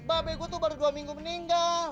babe gue tuh baru dua minggu meninggal